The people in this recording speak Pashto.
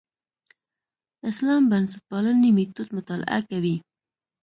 اسلام بنسټپالنې میتود مطالعه کوي.